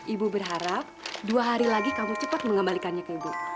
ibu berharap dua hari lagi kamu cepat mengembalikannya ke ibu